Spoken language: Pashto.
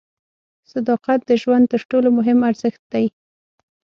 صداقت د ژوند تر ټولو مهم ارزښت دی.